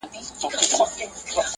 ستاسې نظام ته وګورو